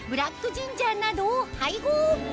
ジンジャーなどを配合